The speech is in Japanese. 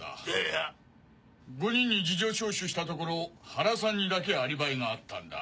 えっ⁉５人に事情聴取したところ原さんにだけアリバイがあったんだ。